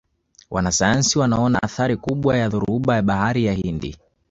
wanasayansi wanaona athari kubwa ya dhoruba ya bahari ya hindi